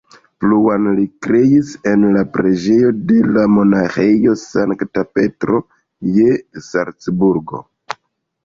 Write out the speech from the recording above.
Pluan li kreis en la preĝejo de la monaĥejo Sankta Petro je Salcburgo.